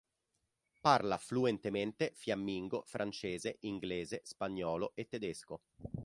Parla fluentemente fiammingo, francese, inglese, spagnolo e tedesco.